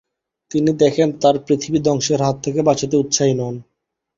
তিনি দেখেন তার পৃথিবীকে ধ্বংসের হাত থেকে বাঁচাতে উৎসাহী নন।